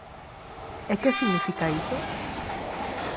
E que significa iso?